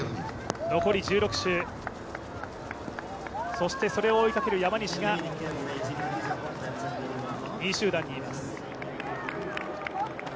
残り１６周、そしてそれを追いかける山西が２位集団にいます。